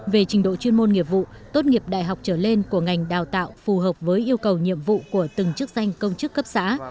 về trình độ chuyên môn nghiệp vụ tốt nghiệp đại học trở lên của ngành đào tạo phù hợp với yêu cầu nhiệm vụ của từng chức danh công chức cấp xã